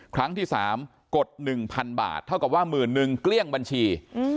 ครั้งที่๓กด๑๐๐๐บาทเท่ากับว่าหมื่นนึงเกลี้ยงบัญชี